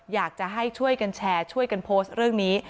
อยากจะให้ช่วยกันแชร์ช่วยกันโพสต์เรื่องนี้